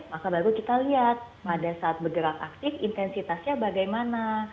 maka baru kita lihat pada saat bergerak aktif intensitasnya bagaimana